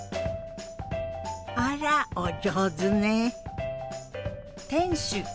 あらお上手ね！